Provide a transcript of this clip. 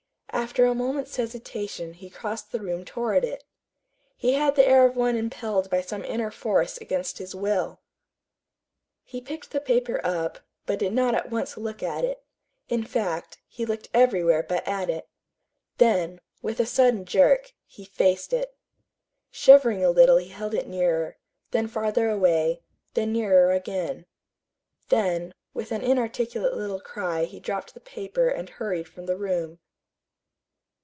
After a moment's hesitation he crossed the room toward it. He had the air of one impelled by some inner force against his will. He picked the paper up, but did not at once look at it. In fact, he looked anywhere but at it. Then, with a sudden jerk, he faced it. Shivering a little he held it nearer, then farther away, then nearer again. Then, with an inarticulate little cry he dropped the paper and hurried from the room.